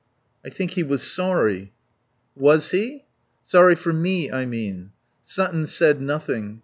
"I think he was sorry." "Was he!" "Sorry for me, I mean." Sutton said nothing.